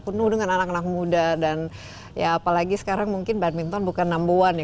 penuh dengan anak anak muda dan ya apalagi sekarang mungkin badminton bukan number one ya